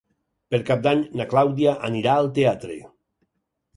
Per Cap d'Any na Clàudia anirà al teatre.